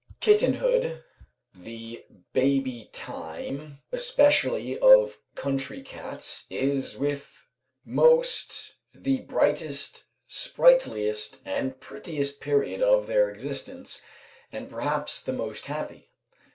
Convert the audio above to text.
Kittenhood, the baby time especially of country cats, is with most the brightest, sprightliest, and prettiest period of their existence, and perhaps the most happy.